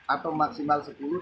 atau maksimal sekitar lima orang